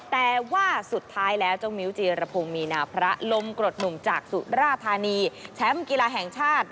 แต่ว่าสุดท้ายแล้วเจ้ามิ้วจีรพงศ์มีนาพระลมกรดหนุ่มจากสุราธานีแชมป์กีฬาแห่งชาติ